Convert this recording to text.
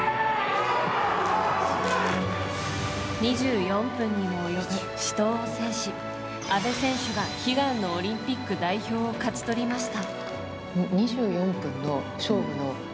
２４分にも及ぶ死闘を制し阿部選手が悲願のオリンピック代表を勝ち取りました。